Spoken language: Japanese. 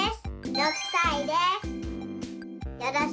６さいです。